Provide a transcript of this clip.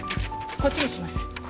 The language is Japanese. こっちにします。